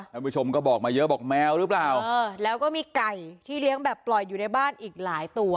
ท่านผู้ชมก็บอกมาเยอะบอกแมวหรือเปล่าเออแล้วก็มีไก่ที่เลี้ยงแบบปล่อยอยู่ในบ้านอีกหลายตัว